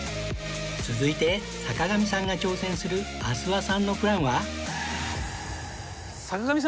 続いて坂上さんが挑戦する阿諏訪さんのプランは？